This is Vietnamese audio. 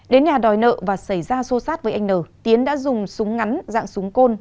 đến nhà đòi nợ và xảy ra xô sát với anh n tiến đã dùng súng ngắn dạng súng côn